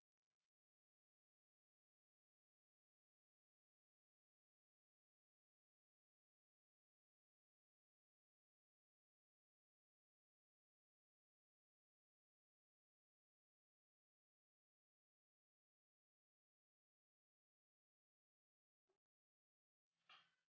terima kasih ya buat kalian semua